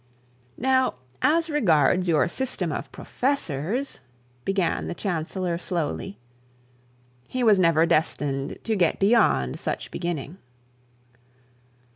'Now, as regards your system of professors ' began the chancellor slowly. He was never destined to get beyond the beginning.